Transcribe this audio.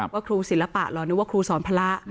ว่าครูศิลปะเหรอนึกว่าครูสอนพระ